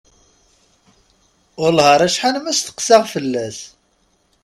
Wellah ar acḥal ma steqsaɣ fell-as.